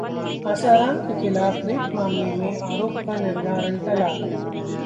आसाराम के खिलाफ रेप मामले में आरोप का निर्धारण टला